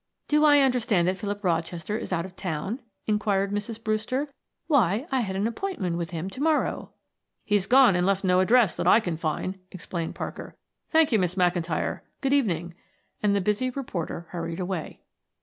"Do I understand that Philip Rochester is out of town?" inquired Mrs. Brewster. "Why, I had an appointment with him to morrow." "He's gone and left no address that I can find," explained Parker. "Thank you, Miss McIntyre; good evening," and the busy reporter hurried away.